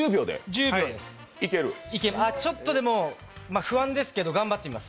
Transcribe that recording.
ちょっと、でも不安ですけど、頑張ってみます。